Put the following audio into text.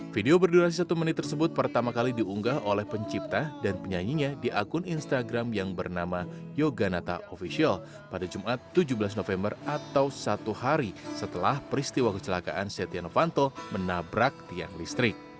video berdurasi satu menit tersebut pertama kali diunggah oleh pencipta dan penyanyinya di akun instagram yang bernama yoganata official pada jumat tujuh belas november atau satu hari setelah peristiwa kecelakaan setia novanto menabrak tiang listrik